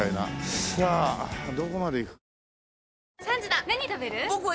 さあどこまで行く。